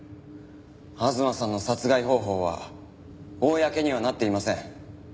吾妻さんの殺害方法は公にはなっていません。